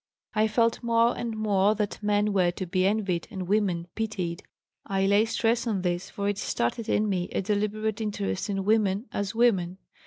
I felt more and more that men were to be envied and women pitied. I lay stress on this for it started in me a deliberate interest in women as women.